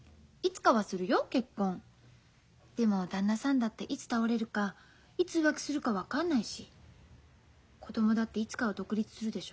でも旦那さんだっていつ倒れるかいつ浮気するか分かんないし子供だっていつかは独立するでしょ。